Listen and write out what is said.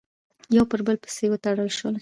یو پر بل پسې وتړل شول،